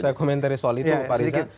saya komentari soal itu pak riza